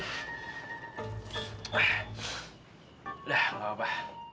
udah nggak apa apa